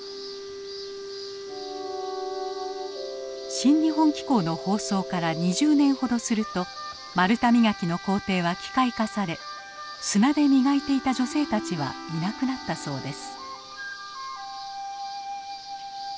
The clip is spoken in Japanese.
「新日本紀行」の放送から２０年ほどすると丸太磨きの工程は機械化され砂で磨いていた女性たちはいなくなったそうです。